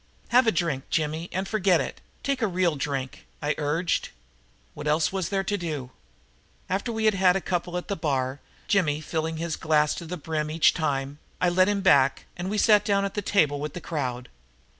"Have a drink, Jimmy, and forget it. Take a real drink!" I urged. What else was there to do? After we had had a couple at the bar, Jimmy filling his glass to the brim each time, I led him in back and we sat down at the table with the crowd.